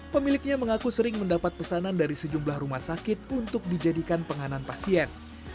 pemiliknya mengaku sering mendapat pesanan dari sejumlah rumah sakit untuk dijadikan penganan pasien